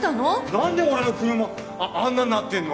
何で俺の車あんなんなってんの？